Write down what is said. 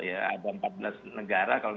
ada empat belas negara